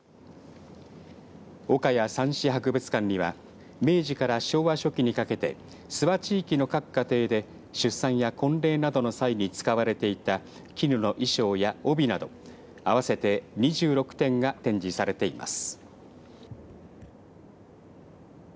岡谷蚕糸博物館には明治から昭和初期にかけて諏訪地域の各家庭で出産や婚礼などの際に使われていた絹の衣装や帯など合わせて２６点が展示されています。